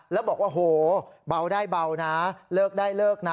แล้วบอกว่าโหเบาได้เบานะเลิกได้เลิกนะ